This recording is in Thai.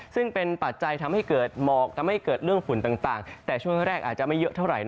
ซึ่งเป็นปัจจัยทำให้เกิดหมอกทำให้เกิดเรื่องฝุ่นต่างแต่ช่วงแรกอาจจะไม่เยอะเท่าไหร่